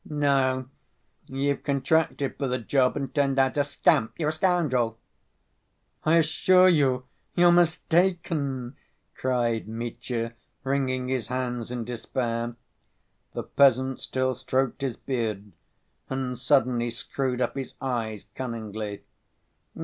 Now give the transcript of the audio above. "No, you've contracted for the job and turned out a scamp. You're a scoundrel!" "I assure you you're mistaken," cried Mitya, wringing his hands in despair. The peasant still stroked his beard, and suddenly screwed up his eyes cunningly.